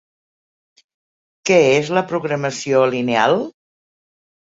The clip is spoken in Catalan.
Què és la Programació Lineal?